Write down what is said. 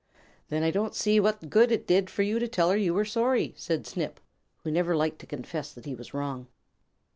"Then I don't see what good it did for you to tell her you were sorry," said Snip, who never liked to confess that he was wrong.